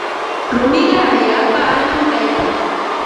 Rumiqa allaapa anam kaykan.